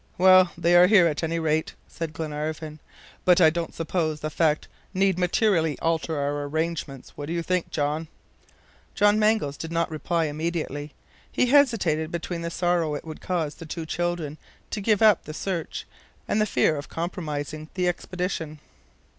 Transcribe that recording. "Well, they are here, at any rate," said Glenarvan; "but I don't suppose the fact need materially alter our arrangements. What do you think, John?" John Mangles did not reply immediately; he hesitated between the sorrow it would cause the two children to give up the search, and the fear of compromising the expedition.